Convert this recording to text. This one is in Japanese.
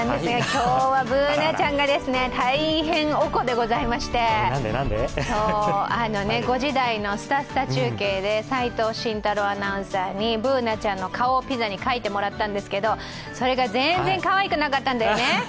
今日はＢｏｏｎａちゃんが大変おこでございまして５時台の「すたすた中継」で齋藤慎太郎アナウンサーにＢｏｏｎａちゃんの顔をピザに描いてもらったんだけどそれが全然かわいくなかったんだよね？